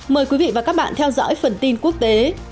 mời quý vị và các bạn theo dõi phần tin quốc tế